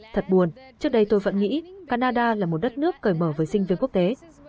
thật buồn trước đây tôi vẫn nghĩ canada là một đất nước cởi mở với sinh viên quốc tế